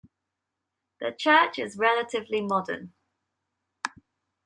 The church is relatively modern.